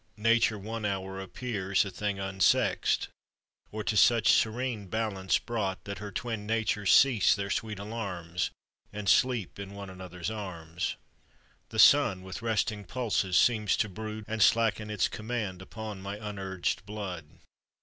Nature one hour appears a thing unsexed, Or to such serene balance brought That her twin natures cease their sweet alarms, And sleep in one another's arms. The sun with resting pulses seems to brood, And slacken its command upon my unurged blood.